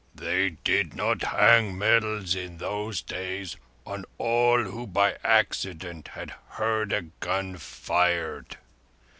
"They did not hang medals in those days on all who by accident had heard a gun fired.